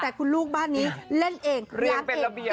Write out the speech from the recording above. แต่คุณลูกบ้านนี้เล่นเอกหลมเอกเกล็บเอก